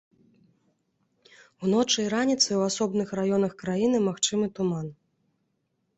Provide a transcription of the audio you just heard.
Уночы і раніцай у асобных раёнах краіны магчымы туман.